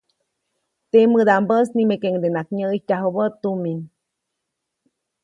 Temädaʼmbäʼis nimekeʼuŋdenaʼak nyäʼijtyajubä tumin.